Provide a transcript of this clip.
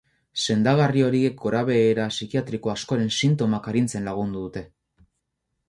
Sendagarri horiek gorabehera psikiatriko askoren sintomak arintzen lagundu dute.